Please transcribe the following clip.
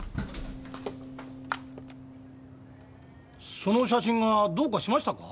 その写真がどうかしましたか？